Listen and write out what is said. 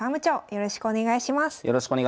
よろしくお願いします。